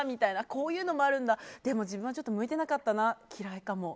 こういうのもあるんだでも、自分はちょっと向いてなかったかな